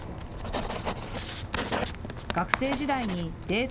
学生時代にデート